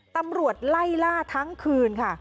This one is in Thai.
ตำรวจไล่ล่าทั้งคืนค่ะ